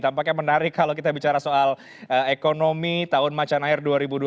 tampaknya menarik kalau kita bicara soal ekonomi tahun macanair dua ribu dua puluh dua